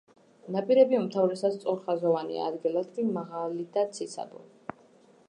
ნაპირები უმთავრესად სწორხაზოვანია, ადგილ-ადგილ მაღალი და ციცაბო.